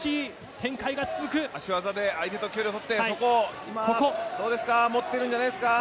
足技で相手と距離を取って、今、そこをどうですか、持ってるんじゃないですか？